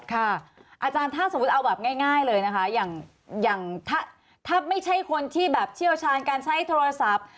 อาจารย์ถ้าสมมุติเอาแบบง่ายเลยนะคะอย่างถ้าไม่ใช่คนที่แบบเชี่ยวชาญการใช้โทรศัพท์